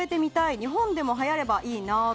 日本でも、はやればいいなと。